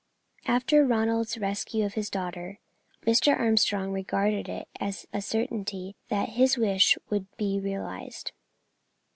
After Ronald's rescue of his daughter, Mr. Armstrong regarded it as a certainty that his wish would be realised.